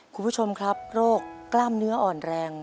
คุณผู้ชมครับโรคกล้ามเนื้ออ่อนแรง